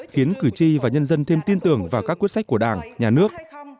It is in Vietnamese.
khiến cử tri và nhân dân thêm tin tưởng vào các quyết sách của đảng nhà nước